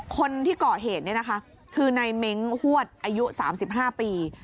คนที่เกาะเหตุนี่นะคะคือในเม้งฮวดอายุ๓๕ปี